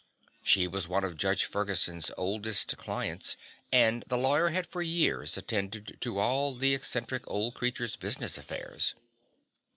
She was one of Judge Ferguson's oldest clients and the lawyer had for years attended to all of the eccentric old creature's business affairs.